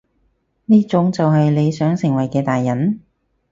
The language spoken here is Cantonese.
呢種就係你想成為嘅大人？